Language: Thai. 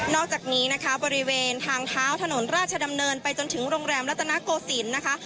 อกจากนี้นะคะบริเวณทางเท้าถนนราชดำเนินไปจนถึงโรงแรมรัตนโกศิลป์นะคะ